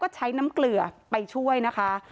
ช่วยเหลือไปช่วยนะคะ